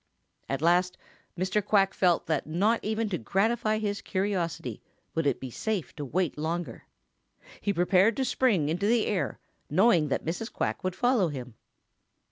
At last Mr. Quack felt that not even to gratify his curiosity would it be safe to wait longer. He prepared to spring into the air, knowing that Mrs. Quack would follow him.